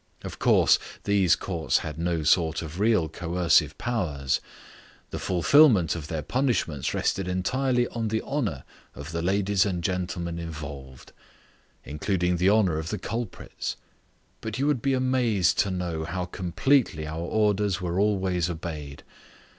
Of course these courts had no sort of real coercive powers. The fulfilment of their punishments rested entirely on the honour of the ladies and gentlemen involved, including the honour of the culprits. But you would be amazed to know how completely our orders were always obeyed.